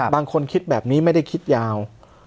บางคนคิดแบบนี้ไม่ได้คิดยาว